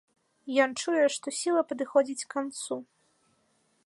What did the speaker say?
Ён чуе, што сіла падыходзіць к канцу.